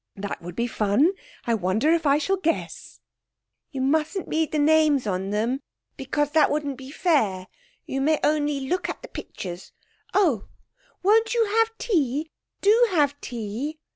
'That would be fun. I wonder if I shall guess?' 'You mustn't read the names on them, because that wouldn't be fair. You may only look at the pictures. Oh, won't you have tea? Do have tea.'